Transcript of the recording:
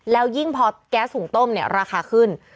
แล้วยิ่งพอแก๊สหุ่งต้มเนี่ยราคาขึ้น